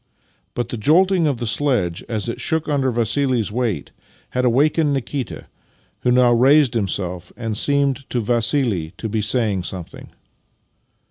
But the jolting of the sledge as it shook under Vassili's weight had awakened Nikita, who now raised himself and seemed to Vassili to be saying something.